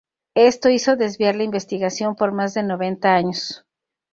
Esto hizo desviar la investigación por más de noventa años.